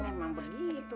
iya memang begitu